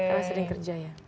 karena sering kerja ya